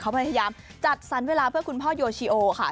เขาพยายามจัดสรรเวลาเพื่อคุณพ่อโยชิโอค่ะ